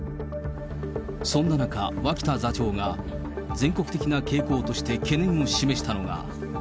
そんな中、脇田座長が、全国的な傾向として懸念を示したのが。